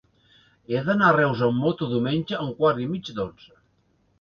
He d'anar a Reus amb moto diumenge a un quart i mig d'onze.